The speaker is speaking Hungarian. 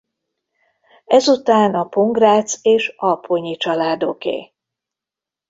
Ezután a Pongrácz és Apponyi családoké.